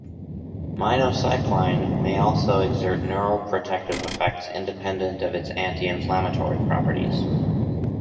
Minocycline may also exert neuroprotective effects independent of its anti-inflammatory properties.